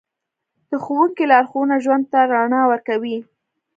د ښوونکي لارښوونه ژوند ته رڼا ورکوي.